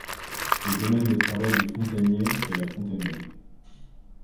Le domaine de travail du fontainier est la fontainerie.